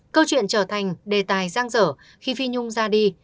câu chuyện trở thành đề tài giang dở khi phi nhung ra đi